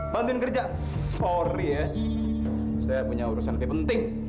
bantuin kerja story ya saya punya urusan lebih penting